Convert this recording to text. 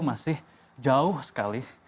masih jauh sekali